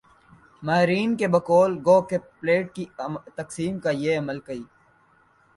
ماہرین کی بقول گو کہ پلیٹ کی تقسیم کا یہ عمل کئی